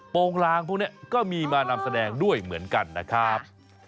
โปรงลางพวกนี้ก็มีมานำแสดงด้วยเหมือนกันนะครับ